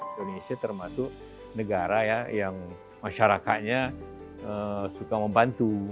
indonesia termasuk negara ya yang masyarakatnya suka membantu